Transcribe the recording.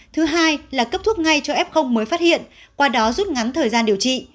thứ hai là cấp thuốc ngay cho f mới phát hiện qua đó rút ngắn thời gian điều trị